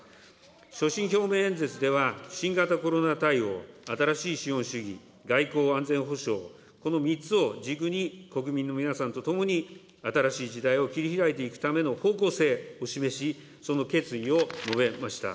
所信表明演説では、新型コロナ対応、新しい資本主義、外交安全保障、この３つを軸に、国民の皆さんと共に新しい時代を切り開いていくための方向性を示し、その決意を述べました。